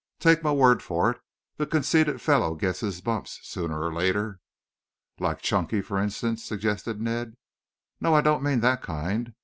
Take my word for it, the conceited fellow gets his bumps sooner or later." "Like Chunky, for instance?" suggested Ned. "No, I don't mean that kind.